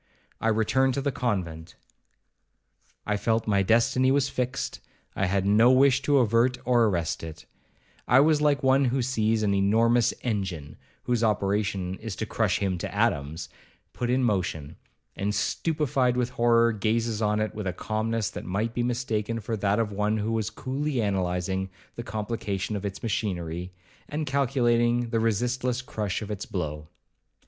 I returned to the convent—I felt my destiny was fixed—I had no wish to avert or arrest it—I was like one who sees an enormous engine (whose operation is to crush him to atoms) put in motion, and, stupified with horror, gazes on it with a calmness that might be mistaken for that of one who was coolly analysing the complication of its machinery, and calculating the resistless crush of its blow.